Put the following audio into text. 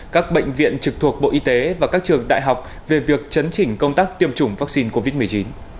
các bệnh viện trực thuộc bộ y tế và các trường đại học về việc chấn chỉnh công tác tiêm chủng vaccine covid một mươi chín